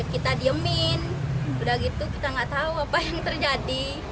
kita diamin udah gitu kita gak tau apa yang terjadi